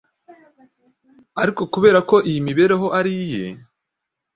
Ariko kubera ko iyi mibereho ari iye,